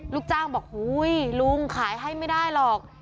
ลูกจ้างบอกอุ้ยลุงขายให้ไม่ได้หรอก